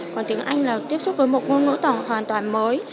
còn tiếng anh là tiếp xúc với một ngôn ngữ tòng hoàn toàn mới